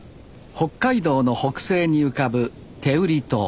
北海道の北西に浮かぶ天売島。